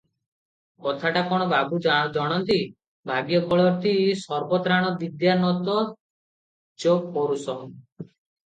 କଥାଟା କଣ ବାବୁ ଜଣନ୍ତି, "ଭାଗ୍ୟଫଳତି ସର୍ବତ୍ରାଣ ବିଦ୍ୟା ନ ଚ ପୌରୁଷଂ ।